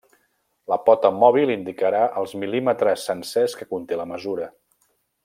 La pota mòbil indicarà els mil·límetres sencers que conté la mesura.